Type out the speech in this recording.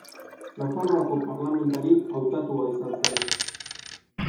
Nafarroako parlamentari hautatua izan zen.